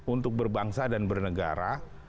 untuk berbangsa dan bernegara